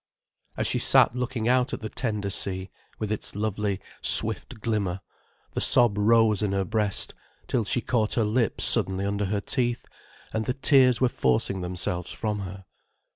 As she sat looking out at the tender sea, with its lovely, swift glimmer, the sob rose in her breast, till she caught her lip suddenly under her teeth, and the tears were forcing themselves from her.